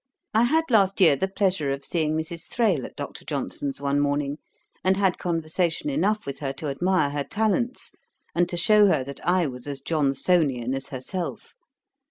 I had last year the pleasure of seeing Mrs. Thrale at Dr. Johnson's one morning, and had conversation enough with her to admire her talents, and to shew her that I was as Johnsonian as herself.